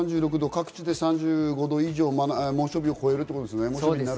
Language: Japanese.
各地で３５度以上の猛暑日となるということですね。